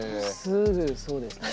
すぐそうですね。